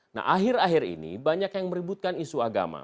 nah akhir akhir ini banyak yang meributkan isu agama